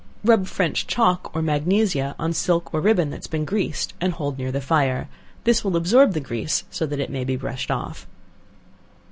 Rub French chalk or magnesia on silk or ribbon that has been greased and hold near the fire; this will absorb the grease so that it may be brushed off.